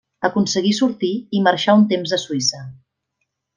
Aconseguí sortir i marxà un temps a Suïssa.